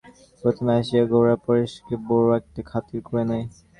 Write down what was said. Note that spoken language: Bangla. প্রথমে আসিয়া গোরা পরেশকে বড়ো একটা খাতির করে নাই।